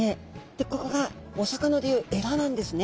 でここがお魚で言うエラなんですね。